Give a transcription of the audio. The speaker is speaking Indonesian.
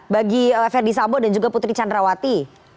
bagi verdi sambo dan juga putri candrawati